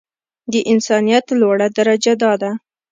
د انسانيت لوړه درجه دا ده.